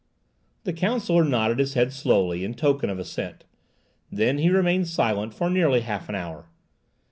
The counsellor nodded his head slowly in token of assent; then he remained silent for nearly half an hour.